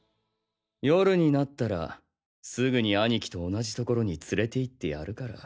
夜になったらすぐにアニキと同じところにつれて行ってやるから。